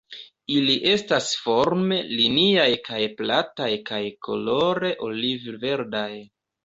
Ili estas forme liniaj kaj plataj kaj kolore oliv-verdaj.